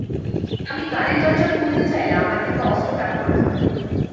আমি গাড়ির দরজা খুলতে চাইলে আমার দিকে অস্ত্র তাক করে ধরেন।